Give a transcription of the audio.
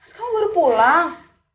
mas kamu udah pulang